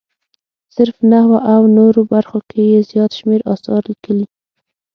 صرف، نحوه او نورو برخو کې یې زیات شمېر اثار لیکلي.